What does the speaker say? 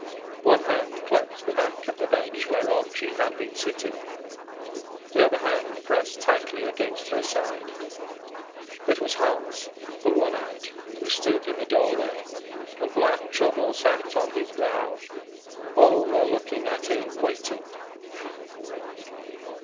One hand clutched the back of the bench whereon she had been sitting, the other hand pressed tightly against her side. It was Hans the one eyed who stood in the doorway, and black trouble sat on his brow; all were looking at him waiting.